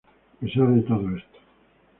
A pesar de todo esto.